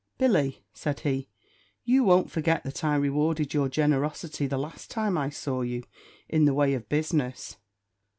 "Billy," said he, "you won't forget that I rewarded your generosity the last time I saw you, in the way of business."